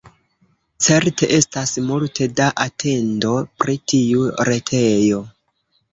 Certe estas multe da atendo pri tiu retejo.